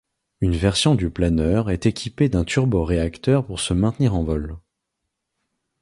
Une version du planeur est équipée d'un turboréacteur pour se maintenir en vol.